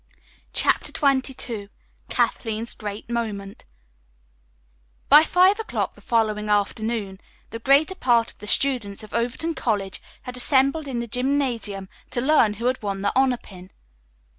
CHAPTER XXII KATHLEEN'S GREAT MOMENT By five o'clock the following afternoon the greater part of the students of Overton College had assembled in the gymnasium to learn who had won the honor pin.